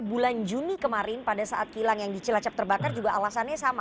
bulan juni kemarin pada saat kilang yang di cilacap terbakar juga alasannya sama